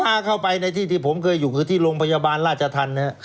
ถ้าเข้าไปในที่ที่ผมเคยอยู่คือที่โรงพยาบาลราชธรรมนะฮะ